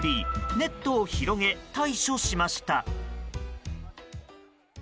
ネットを広げ、対処しました。